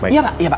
iya pak ya pak